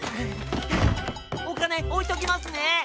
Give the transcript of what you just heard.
おかねおいときますね。